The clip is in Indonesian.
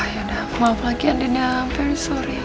yaudah maaf lagi andin ya i'm very sorry